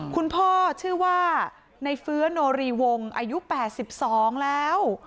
คุณพ่อชื่อว่าในฟื้อโนรีวงอายุแปดสิบสองแล้ว